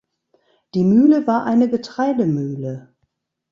Die Mühle war eine Getreidemühle.